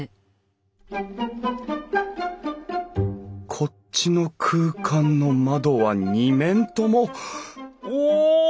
こっちの空間の窓は２面ともお！